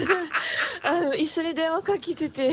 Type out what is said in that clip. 一緒に電話かけてて。